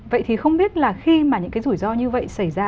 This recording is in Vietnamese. vậy thì không biết là khi mà những cái rủi ro như vậy xảy ra